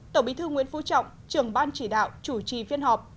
tổng bí thư nguyễn phú trọng trưởng ban chỉ đạo chủ trì phiên họp